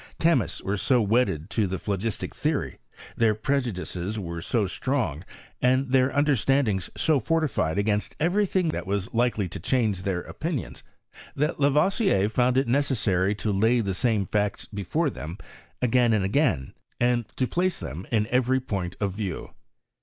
Chemists were so wedded to the plilogistic theory, their preju dices were so strong, and their understandings to fortified against every thing that was likely to change their opinions, that Lavoisier found it necessary ttt ' lay the same facts before them again and again, and to place them in every point of view.